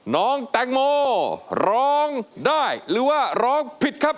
น้องแตงโมร้องได้หรือว่าร้องผิดครับ